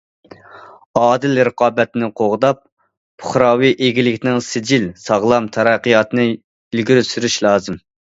ئادىل رىقابەتنى قوغداپ، پۇقراۋى ئىگىلىكنىڭ سىجىل، ساغلام تەرەققىياتىنى ئىلگىرى سۈرۈش لازىم.